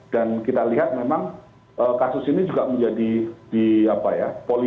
dan kita lihat memang kasus ini juga menjadi di apa ya